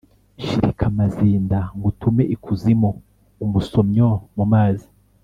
Shirika amazinda ngutume ikuzimu-Umusomyo mu mazi.